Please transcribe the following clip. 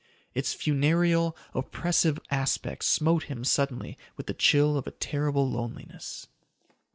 Its funereal, oppressive aspect smote him suddenly with the chill of a terrible loneliness.